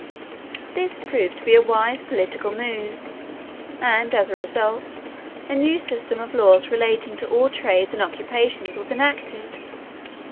This proved to be a wise political move and, as a result, a new system of laws relating to all trades and occupations was enacted.